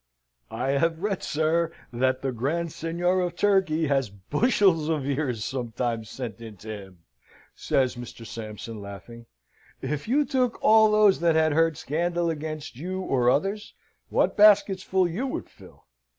"I have read, sir, that the Grand Seignior of Turkey has bushels of ears sometimes sent in to him," says Mr. Sampson, laughing. "If you took all those that had heard scandal against you or others, what basketsful you would fill!"